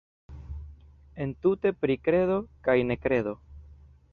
Entute pri kredo kaj nekredo.